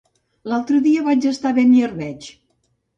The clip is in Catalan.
L'altre dia vaig estar a Beniarbeig.